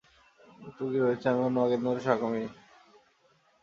তুমি ভেবেছিস আমি অন্য মাগীদের মতো স্বকামী?